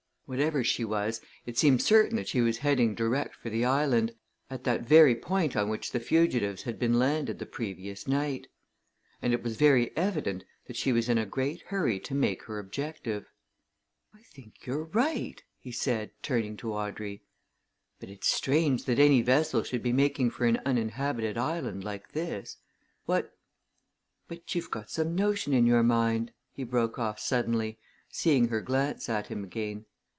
Whatever she was it seemed certain that she was heading direct for the island, at that very point on which the fugitives had been landed the previous night. And it was very evident that she was in a great hurry to make her objective. "I think you're right," he said, turning to Audrey. "But it's strange that any vessel should be making for an uninhabited island like this. What but you've got some notion in your mind?" he broke off suddenly, seeing her glance at him again.